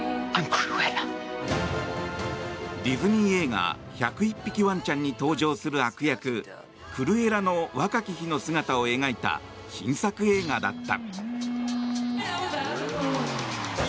ディズニー映画「１０１匹わんちゃん」に登場する悪役クルエラの若き日の姿を描いた新作映画だった。